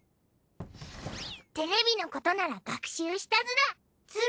テレビのことなら学習したズラ。